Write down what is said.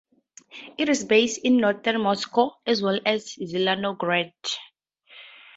It is based in Northern Moscow as well as Zelenograd.